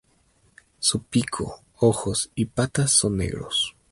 Su pico, ojos y patas son negros.